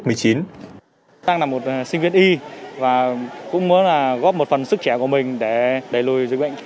tôi đang là một sinh viên y và cũng muốn góp một phần sức trẻ của mình để đẩy lùi dịch bệnh